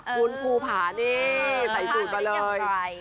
คุณภูผานี่ใส่สูตรมาเลย